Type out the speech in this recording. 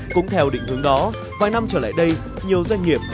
cũng theo định hướng đó vài năm trở lại đây nhiều doanh nghiệp